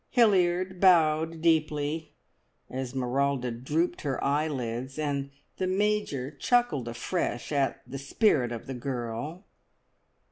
Hilliard bowed deeply. Esmeralda drooped her eyelids, and the Major chuckled afresh at "the spirit of the girl!"